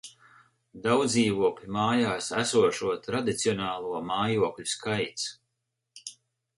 Daudzdzīvokļu mājās esošo tradicionālo mājokļu skaits